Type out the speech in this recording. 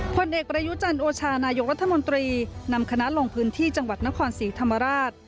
ผลเอกประยุจันโอชานายกรัฐมนตรีนำคณะลงพื้นที่จังหวัดนครศรีธรรมราช